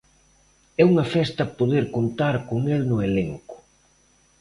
É unha festa poder contar con el no elenco.